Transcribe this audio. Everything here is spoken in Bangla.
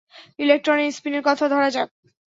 ইলেকট্রনের স্পিনের কথা ধরা যাক।